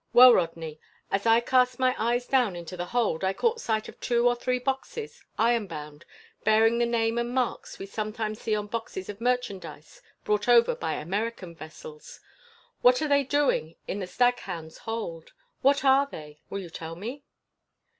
"Well, Rodney, as I cast my eyes down into the hold I caught sight of two or three boxes, iron bound, bearing the name and marks we sometimes see on boxes of merchandise brought over by American vessels. What are they doing in the Staghound's hold? What are they? Will you tell me?"